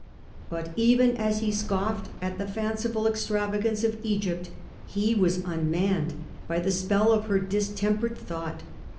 But even as he scoffed at the fanciful extravagance of Egypt, he was unmanned by the spell of her distempered thought.